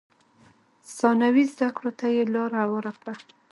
ثانوي زده کړو ته یې لار هواره کړه.